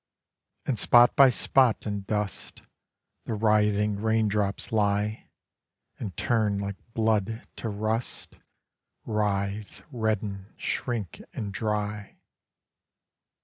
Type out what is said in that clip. And spot by spot in dust The writhing raindrops lie, And turn like blood to rust— Writhe, redden, shrink, and dry.